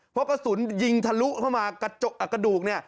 เพราะกระสุนยิงทะลุเข้ามากระดูกเนี่ย